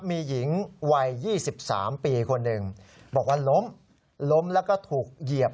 มีหญิงวัย๒๓ปีคนหนึ่งบอกว่าล้มล้มแล้วก็ถูกเหยียบ